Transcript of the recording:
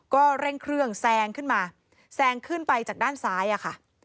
ก็เร่งเครื่องแซงขึ้นมาแซงขึ้นไปจากด้านซ้ายอะค่ะ